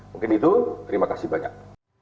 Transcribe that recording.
mungkin itu terima kasih banyak